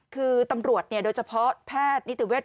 คือตำรวจโดยเฉพาะแพทย์นิติเวช